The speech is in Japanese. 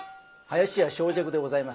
林家正雀でございます。